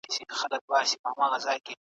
که په ټولنه کي سوله وي علمي بډاينه به چټکه سي.